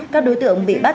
các đối tượng bị bắt